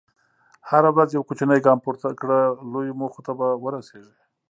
هره ورځ یو کوچنی ګام پورته کړه، لویو موخو ته به ورسېږې.